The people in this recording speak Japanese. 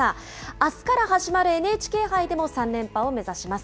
あすから始まるＮＨＫ杯でも３連覇を目指します。